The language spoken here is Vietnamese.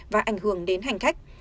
và ảnh hưởng đến hành khách